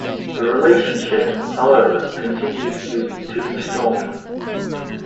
The relationship, however, continued to be stormy.